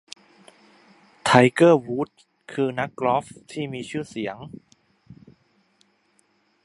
ไทเกอร์ วูดส์ คือนักกอล์ฟที่มีชื่อเสียง